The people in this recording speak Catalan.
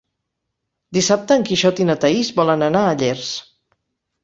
Dissabte en Quixot i na Thaís volen anar a Llers.